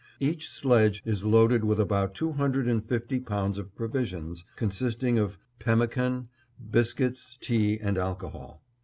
Each sledge is loaded with about two hundred and fifty pounds of provisions, consisting of pemmican, biscuits, tea, and alcohol.